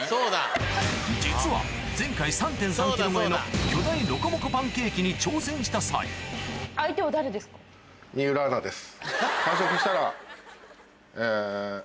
実は前回３．３ｋｇ超えの巨大ロコモコパンケーキに挑戦した際ありがとうございます。